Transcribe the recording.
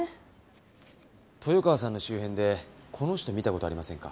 豊川さんの周辺でこの人見た事ありませんか？